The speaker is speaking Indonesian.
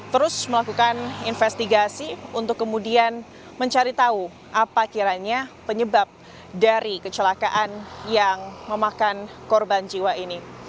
terus melakukan investigasi untuk kemudian mencari tahu apa kiranya penyebab dari kecelakaan yang memakan korban jiwa ini